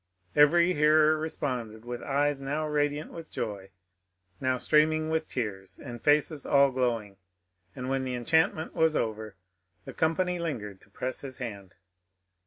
Every hearer responded with eyes now radiant vrith joy, now stream ing with tears, and faces all glowing ; and when the enchant ment was over, the company lingered to press his hand.